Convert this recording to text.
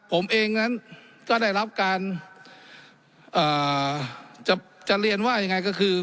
ผมเองนั้นก็ได้รับการจะเรียนว่ายังไงก็คือ